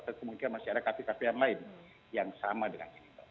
atau kemungkinan masih ada kafe kafe yang lain yang sama dengan ini